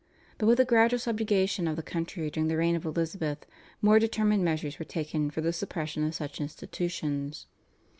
But with the gradual subjugation of the country during the reign of Elizabeth more determined measures were taken for the suppression of such institutions.